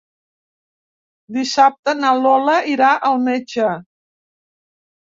Dissabte na Lola irà al metge.